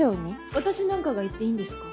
私なんかが行っていいんですか？